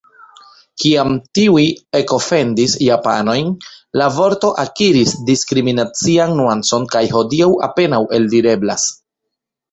Kiam tiuj ekofendis japanojn, la vorto akiris diskriminacian nuancon kaj hodiaŭ apenaŭ eldireblas.